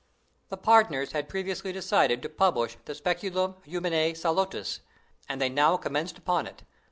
The partners had previously decided to publish the "Speculum Humanæ Salutis," and they now commenced upon it.